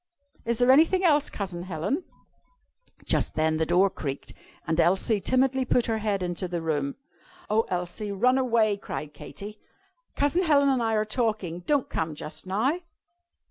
Is there anything else, Cousin Helen?" Just then the door creaked, and Elsie timidly put her head into the room. "Oh, Elsie, run away!" cried Katy. "Cousin Helen and I are talking. Don't come just now."